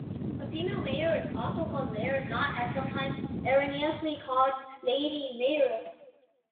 A female mayor is also called mayor, not, as sometime erroneously called, "Lady Mayoress".